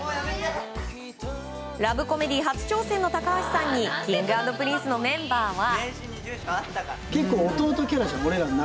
ラブコメディー初挑戦の高橋さんにＫｉｎｇ＆Ｐｒｉｎｃｅのメンバーは。